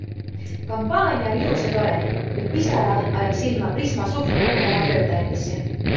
Kampaania on ilus ja tore, kuid pisara ajab silma Prisma suhtumine oma töötajatesse.